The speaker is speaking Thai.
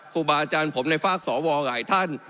ครูบาอาจารย์ผมในฝากสวหลายท่าน